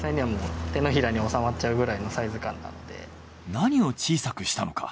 何を小さくしたのか？